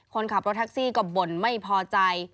คนขับรถแท็กซี่ก็บ่นไม่พอใจ